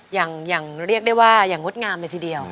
อย่างเรียกได้ว่าอย่างงดงามเลยทีเดียว